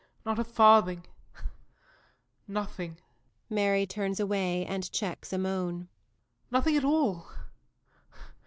Not a farthing. Nothing. [MARY turns away and checks a moan. JOE. Nothing at all.